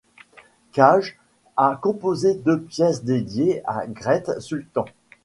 Cage a composé deux pièces dédiées à Grete Sultan.